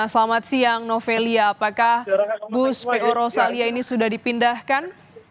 selamat siang novelia apakah bus po rosalia ini sudah dipindahkan